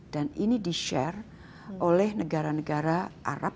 dan ini di share oleh negara negara arab